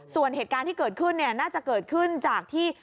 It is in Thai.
ส่วนเหตุการณ์ที่เกิดขึ้นเนี่ยน่าจะเกิดขึ้นจากที่